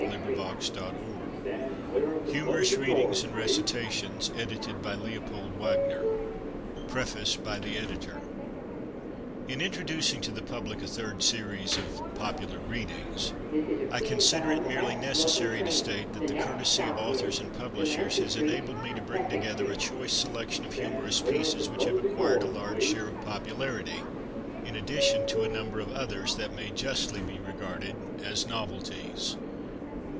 London and New York: FREDERICK WARNE AND CO. 1889. LONDON: BRADBURY, AGNEW, & CO., PRINTERS, WHITEFRIARS. PREFACE. In introducing to the public a Third Series of "Popular Readings," I consider it merely necessary to state that the courtesy of authors and publishers has enabled me to bring together a choice selection of humorous pieces which have acquired a large share of popularity, in addition to a number of others that may justly be regarded as novelties.